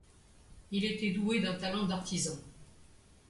Il était doué d'un talent d'artisan.